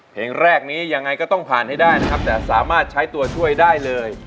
เพลงแรกนี้ยังไงก็ต้องผ่านให้ได้นะครับแต่สามารถใช้ตัวช่วยได้เลย